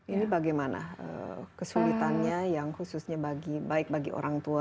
ini bagaimana kesulitannya yang khususnya baik bagi orang tua